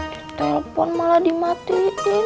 ditelepon malah dimatikan